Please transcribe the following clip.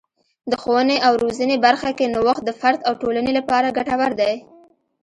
د ښوونې او روزنې برخه کې نوښت د فرد او ټولنې لپاره ګټور دی.